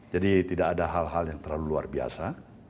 jadi tidak ada hal hal yang terlalu luar biasa